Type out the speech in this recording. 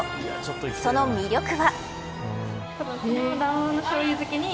その魅力は。